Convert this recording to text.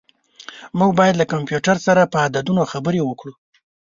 موږ باید له کمپیوټر سره په عددونو خبرې وکړو.